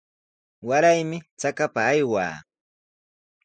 Waraymi trakapa aywaa.